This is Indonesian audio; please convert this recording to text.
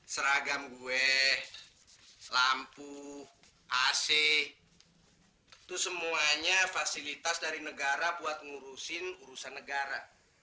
seragam gue lampu ac itu semuanya fasilitas dari negara buat ngurusin urusan negara